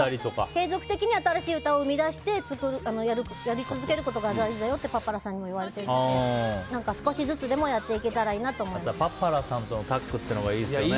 継続的に新しい歌を生み出してやり続けることが大事だよってパッパラーさんに言われているので少しずつでもやっていけたらパッパラーさんとのタッグというのがいいですよね。